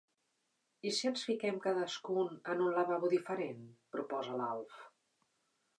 I si ens fiquem cadascun en un lavabo diferent? —proposa l'Alf.